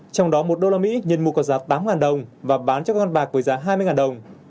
trong đó một đô la mỹ nhân mục có giá tám đồng và bán cho các con bạc với giá hai mươi đồng